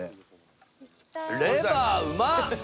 レバーうまっ！